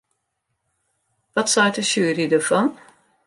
Wat seit de sjuery derfan?